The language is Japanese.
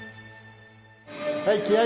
はい気合い！